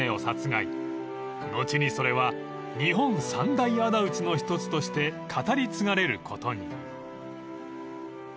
［後にそれは日本三大あだ討ちの一つとして語り継がれることに］